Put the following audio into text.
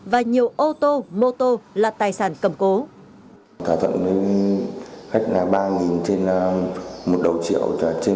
và nhiều ô tô mô tô là tài sản cầm cố